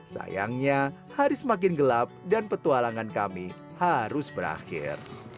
sayangnya hari semakin gelap dan petualangan kami harus berakhir